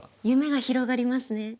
夢が広がりますね。